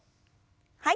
はい。